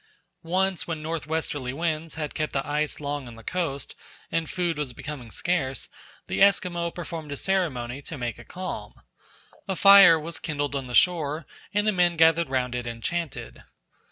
Once when north westerly winds had kept the ice long on the coast and food was becoming scarce, the Esquimaux performed a ceremony to make a calm. A fire was kindled on the shore, and the men gathered round it and chanted.